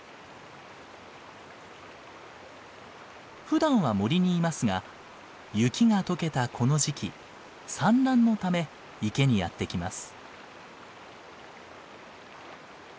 ふだんは森にいますが雪が解けたこの時期産卵のため池にやって来ます。